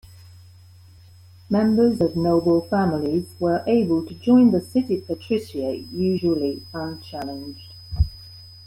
Members of noble families were able to join the city patriciate usually unchallenged.